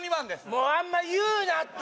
もうあんま言うなって！